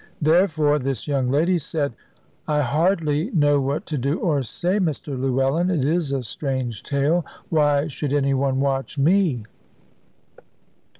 Therefore this young lady said, "I hardly know what to do or say. Mr Llewellyn, it is a strange tale. Why should any one watch me?"